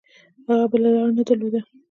هغه بله لاره نه درلوده.